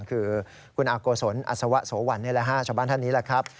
คือคุณอากโกศนอัศวะโสวรรณชาวบ้านท่านนี้แหละครับ